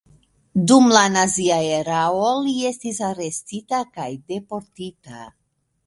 Dum la nazia erao li estis arestita kaj deportita.